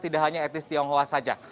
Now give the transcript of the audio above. tidak hanya etnis tionghoa saja